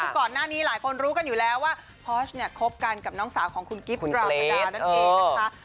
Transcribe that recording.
ก่อนหน้านี้หลายคนรู้กันอยู่แล้วว่าพอชเนี่ยคบกันกับน้องสาวของคุณกิฟต์ตราประดานั่นเองนะคะ